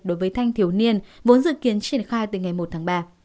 đối với thanh thiếu niên vốn dự kiến triển khai từ ngày một tháng ba